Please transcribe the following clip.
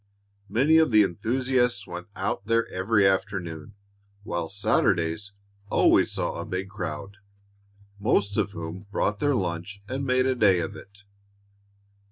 Many of the enthusiasts went out there every afternoon, while Saturdays always saw a big crowd, most of whom brought their lunch and made a day of it.